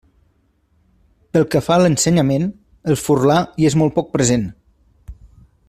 Pel que fa a l'ensenyament, el furlà hi és molt poc present.